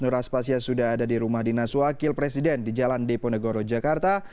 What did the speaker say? nur aspasya sudah ada di rumah dinas wakil presiden di jalan deponegoro jakarta